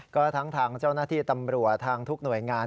ก็ทั้งทางเจ้าหน้าที่ตำรวจทางทุกหน่วยงาน